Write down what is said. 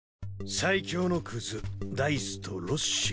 最強のくずダイスとロッシ。